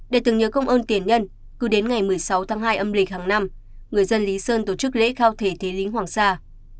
để tưởng nhớ công ơn tiền nhân cứ đến ngày một mươi sáu tháng hai âm lịch hàng năm người dân lý sơn tổ chức lễ khao thể thế lính hoàng sa